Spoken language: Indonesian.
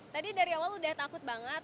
tadi dari awal udah takut banget